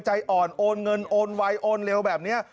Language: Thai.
ใจอ่อนโอนเงินโอนไวโอนเร็วแบบนี้